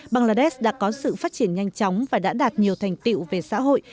bangladesh đã có sự phát triển nhanh chóng và đã đạt nhiều thành tiệu về xã hội